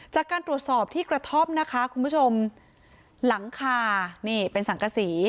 จากการตรวจสอบที่กระท่อมนะคะคุณผู้ชมหลังคานี่เป็นสังกษี